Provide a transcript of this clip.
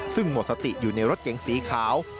ซึ่งหมดสติอยู่ในรถเก๋งสีขาว